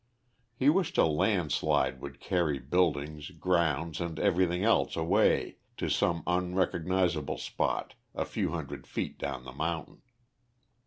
He wished a landslide would carry buildings, grounds, and everything else away to some unrecognisable spot a few hundred feet down the mountain.